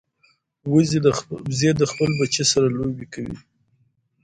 وزې د خپل بچي سره لوبې کوي